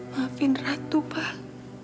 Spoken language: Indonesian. maafin ratu pak